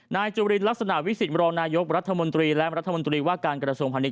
นายจุฬิลลักษณะวิสิทธิ์บรรณายกรัฐมนตรีและรัฐมนตรีว่าการกรสมภัณฑ์นี้